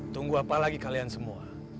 tunggu apa lagi kalian semua